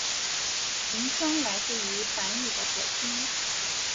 名称来自于梵语的火星。